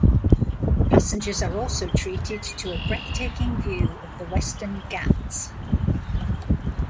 Passengers are also treated to a breath-taking view of the Western Ghats.